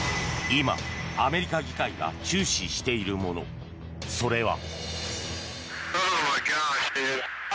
今、アメリカ議会が注視しているものそれは。